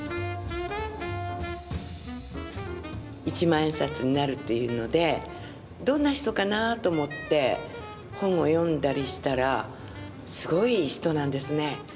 一万円札になるというのでどんな人かなと思って本を読んだりしたらすごい人なんですね。